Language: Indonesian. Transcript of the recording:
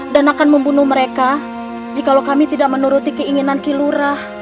dan akan membunuh mereka jika kami tidak menuruti keinginan kilura